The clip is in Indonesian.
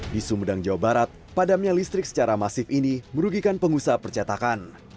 di sumedang jawa barat padamnya listrik secara masif ini merugikan pengusaha percetakan